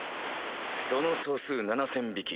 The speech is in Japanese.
その総数７０００匹。